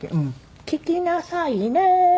聞きなさいねー。